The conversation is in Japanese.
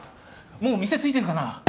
もう店着いてるかな？